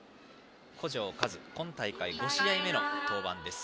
小城知、今大会５試合目の登板。